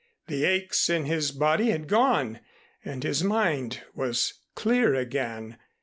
The aches in his body had gone and his mind was clear again.